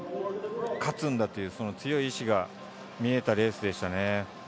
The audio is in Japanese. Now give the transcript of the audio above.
勝つんだという強い意志が見えたレースでした。